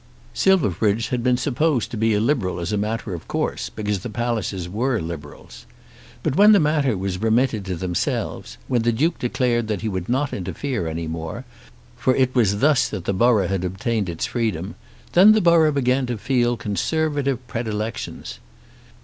Silverbridge had been supposed to be a Liberal as a matter of course, because the Pallisers were Liberals. But when the matter was remitted to themselves, when the Duke declared that he would not interfere any more, for it was thus that the borough had obtained its freedom, then the borough began to feel Conservative predilections.